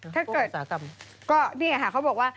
ถ้าเกิดก็นี่ค่ะเขาบอกว่า